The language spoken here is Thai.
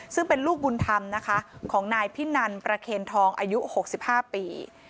ซึ่งเป็นลูกบุญธรรมนะคะของนายพินันประเคนทองอายุ๖๕ปี